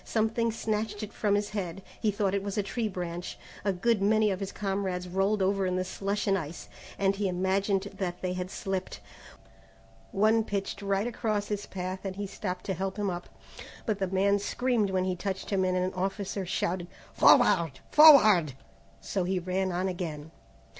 Something snatched it from his head, he thought it was a tree branch. A good many of his comrades rolled over in the slush and ice, and he imagined that they had slipped. One pitched right across his path and he stopped to help him up, but the man screamed when he touched him and an officer shouted, "Forward! Forward!" so he ran on again.